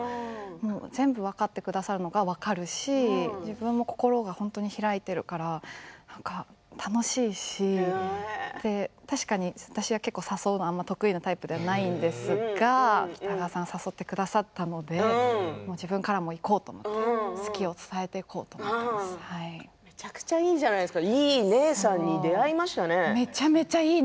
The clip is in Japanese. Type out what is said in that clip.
全部、分かってくださるのが分かるし自分の心が開いているから楽しいし確かに私は結構、誘うのはあまり得意なタイプではないんですが北川さんが誘ってくださったので自分からもいこうと思ってめちゃくちゃいいじゃないですか。